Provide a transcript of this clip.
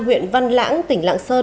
huyện văn lãng tỉnh lạng sơn